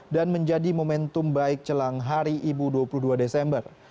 dan menjadi momentum baik celang hari ibu dua puluh dua desember